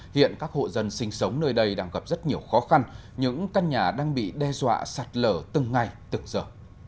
hiện các hộ dân sinh sống nơi đây đang gặp rất nhiều khó khăn những căn nhà đang bị đe dọa sạt lở từng ngày từng giờ